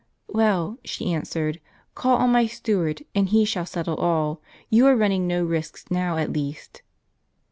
"Well," she answered, "call on my steward, and he shall settle all. You are running no risks now at least."